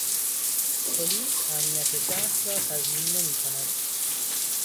پلیس امنیت شهر را تضمین نمیکند.